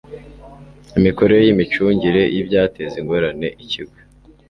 imikorere y imicungire y ibyateza ingorane ikigo